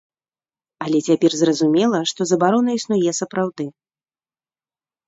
Але цяпер зразумела, што забарона існуе сапраўды.